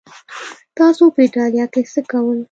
تاسو په ایټالیا کې څه کول؟